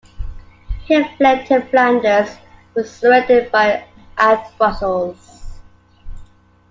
He fled to Flanders, but surrendered at Brussels.